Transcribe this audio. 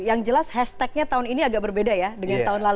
yang jelas hashtagnya tahun ini agak berbeda ya dengan terakhir ini ya